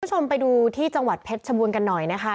คุณผู้ชมไปดูที่จังหวัดเพชรชบูรณ์กันหน่อยนะคะ